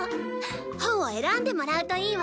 本を選んでもらうといいわ。